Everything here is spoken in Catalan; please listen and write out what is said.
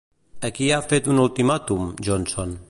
A qui ha fet un ultimàtum, Johnson?